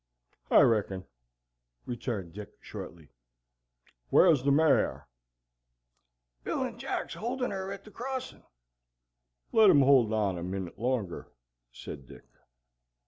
"I reckon," returned Dick, shortly. "Whar's the mare?" "Bill and Jack's holdin' her at the crossin'." "Let 'em hold on a minit longer," said Dick.